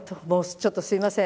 ちょっとすいません。